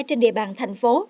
trên địa bàn thành phố